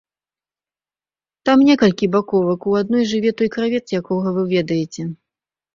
Там некалькі баковак, у адной жыве той кравец, якога вы ведаеце.